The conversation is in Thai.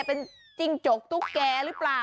เป็นจิ้งจกตุ๊กแก่หรือเปล่า